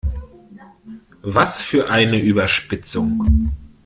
Was für eine Überspitzung!